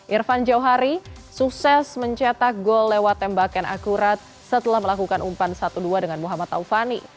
irfan jauhari sukses mencetak gol lewat tembakan akurat setelah melakukan umpan satu dua dengan muhammad taufani